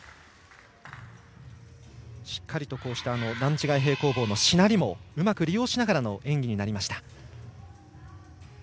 しっかりと段違い平行棒のしなりもうまく利用しながらの演技になりました。